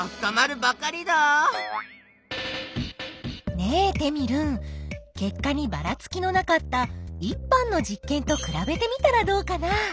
ねえテミルン結果にばらつきのなかった１班の実験とくらべてみたらどうかな？